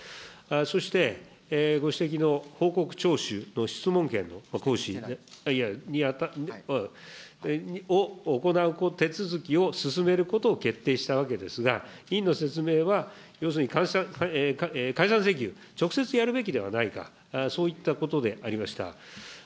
そして、ご指摘の報告徴収の質問権の行使を行う手続きを進めることを決定したわけですが、委員の説明は、要するに、解散請求、直接やるべきではないか、そういったことでありました。